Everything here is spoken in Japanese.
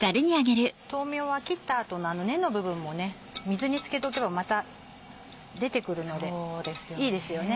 豆苗は切った後の根の部分も水に漬けておけばまた出てくるのでいいですよね。